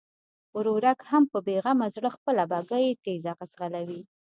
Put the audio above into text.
ورورک هم په بېغمه زړه خپله بګۍ تېزه ځغلوي.